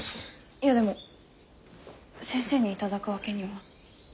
いやでも先生に頂くわけには。